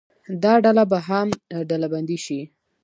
دا ډله به هم ډلبندي شي.